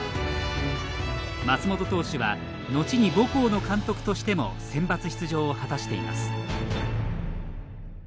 松本投手はのちに母校の監督としてもセンバツ出場を果たしています。